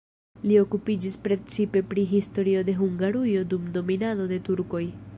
Li okupiĝis precipe pri historio de Hungarujo dum dominado de turkoj.